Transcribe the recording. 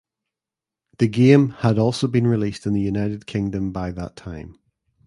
The game had also been released in the United Kingdom by that time.